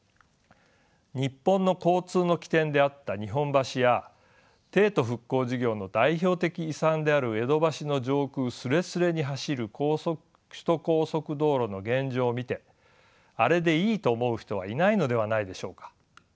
日本の交通の起点であった日本橋や帝都復興事業の代表的遺産である江戸橋の上空すれすれに走る首都高速道路の現状を見てあれでいいと思う人はいないのではないでしょうか。